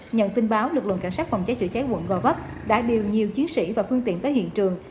nhận tin báo lực lượng cảnh sát phòng cháy chữa cháy quận gò vấp đã điều nhiều chiến sĩ và phương tiện tới hiện trường